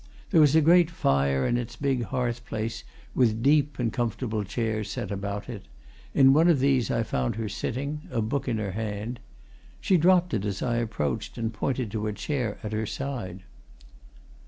There was a great fire in its big hearth place with deep and comfortable chairs set about it; in one of these I found her sitting, a book in her hand. She dropped it as I approached and pointed to a chair at her side.